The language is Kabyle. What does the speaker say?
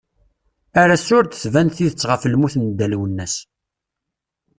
Ar ass-a ur d-tban tidett ɣef lmut n Dda Lwennas.